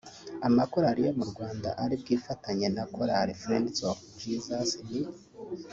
Amakorali yo mu Rwanda ari bwifatanye na korali Friends of Jesus ni